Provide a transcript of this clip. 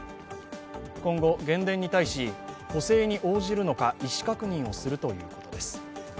今後、原電に対し補正に応じるのか意思確認をするということです。